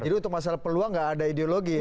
jadi untuk masalah peluang nggak ada ideologi ya